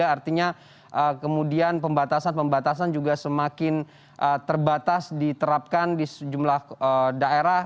artinya kemudian pembatasan pembatasan juga semakin terbatas diterapkan di sejumlah daerah